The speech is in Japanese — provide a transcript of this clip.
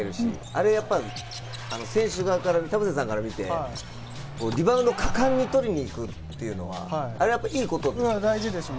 あれはやっぱり選手側から田臥さんから見て、リバウンドを果敢に取りにいくっていうのはいいことですか？